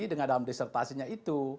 dengan dalam disertasinya itu